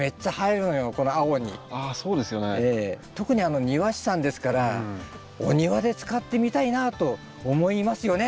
特に庭師さんですからお庭で使ってみたいなと思いますよね？